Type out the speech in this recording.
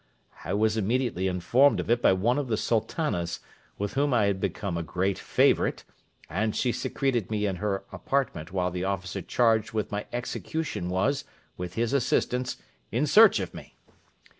I was immediately informed of it by one of the Sultanas, with whom I was become a great favourite, and she secreted me in her apartment while the officer charged with my execution was, with his assistants, in search of me.